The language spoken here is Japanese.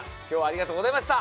ありがとうございます。